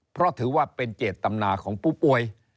เพราะถือว่าเป็นเจตนาของผู้ป่วย